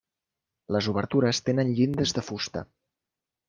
Les obertures tenen llindes de fusta.